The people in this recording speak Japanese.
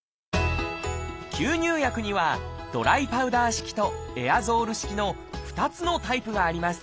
吸入薬には「ドライパウダー式」と「エアゾール式」の２つのタイプがあります